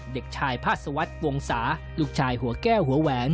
เด็กชายพาสวัสดิ์วงศาลูกชายหัวแก้วหัวแหวน